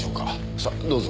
さっどうぞ。